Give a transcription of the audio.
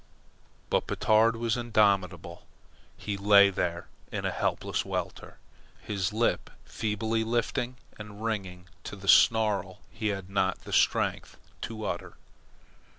But Batard was indomitable. He lay there in a helpless welter, his lip feebly lifting and writhing to the snarl he had not the strength to utter.